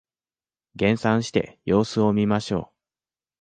減産して様子を見ましょう